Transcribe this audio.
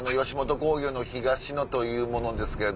吉本興業の東野という者です。